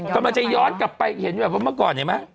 กำลังจะย้อนกลับไปเห็นแบบว่าเมื่อก่อนเห็นไหม